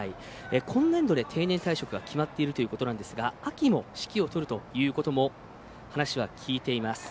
今年度で定年退職が決まっているということですが秋も指揮を執るということも話は聞いています。